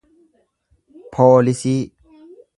poolisii